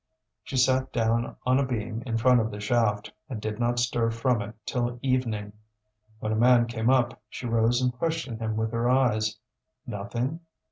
She sat down on a beam in front of the shaft, and did not stir from it till evening. When a man came up, she rose and questioned him with her eyes: Nothing?